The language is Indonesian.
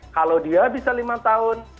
kalau dia bisa lima tahun